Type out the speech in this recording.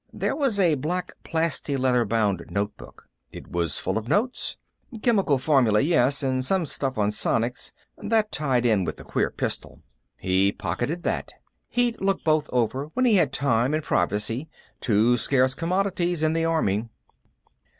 There was a black plastileather bound notebook. It was full of notes. Chemical formulae, yes, and some stuff on sonics; that tied in with the queer pistol. He pocketed that. He'd look both over, when he had time and privacy, two scarce commodities in the Army....